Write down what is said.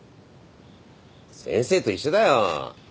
先生と一緒だよ。